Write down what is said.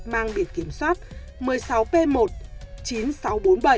mang biệt kiểm tra